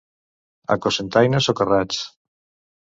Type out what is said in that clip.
A Cocentaina, socarrats.